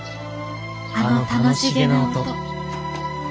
あの楽しげな音。